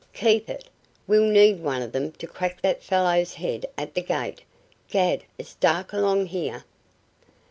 "Keep it! We'll need one of them to crack that fellow's head at the gate. 'Gad, it's dark along here!"